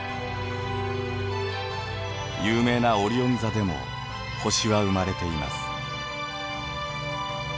有名なオリオン座でも星は生まれています。